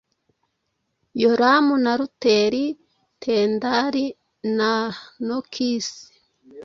Yoramu na Luteri, Tendari na Nokisi,